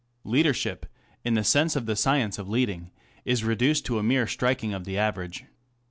Leadership, in the sense of the science of leading, is reduced to a mere striking of the average.